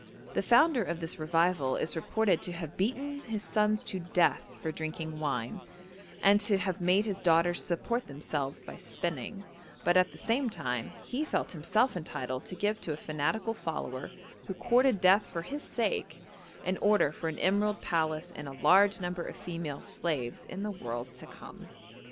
The founder of this revival is reported to have beaten his sons to death for drinking wine, and to have made his daughters support themselves by spinning, but at the same time he felt himself entitled to give to a fanatical follower, who courted death for his sake, an order for an emerald palace and a large number of female slaves in the world to come.